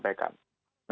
nah sekarang menurut saya